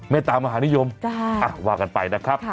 ตามหานิยมว่ากันไปนะครับ